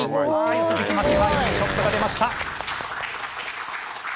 いいショットが出ました。